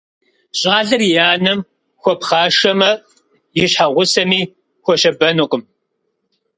Щӏалэр и анэм хуэпхъашэмэ, и щхьэгъусэми хуэщабэнукъым.